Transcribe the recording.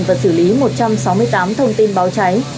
và xử lý một trăm sáu mươi tám thông tin báo cháy